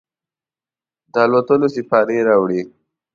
د الوتلوسیپارې راوړي